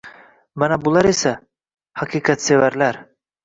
Mana bular esa - haqiqatsevarlar.